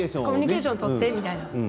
コミュニケーション取ってみたいな。